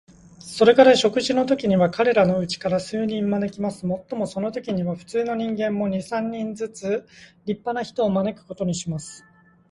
それから食事のときには、彼等のうちから数人招きます。もっともそのときには、普通の人間も、二三人ずつ立派な人を招くことにします。